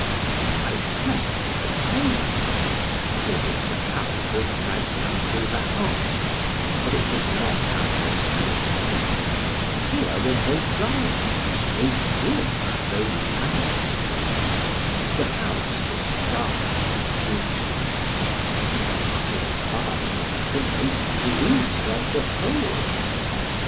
I slept at home, that is, at the house of Madam de Warrens; but it was not as at Annecy: here were no gardens, no brook, no landscape; the house was dark and dismal, and my apartment the most gloomy of the whole.